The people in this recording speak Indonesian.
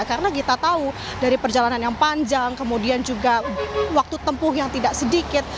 karena kita tahu dari perjalanan yang panjang kemudian juga waktu tempuh yang tidak sedikit